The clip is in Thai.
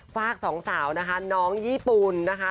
ฝากสองสาวนะคะน้องญี่ปุ่นนะคะ